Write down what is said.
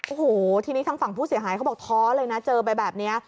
โอ้โหทีนี้ทางฝั่งผู้เสียหายเขาบอกท้อเลยนะเจอไปแบบนี้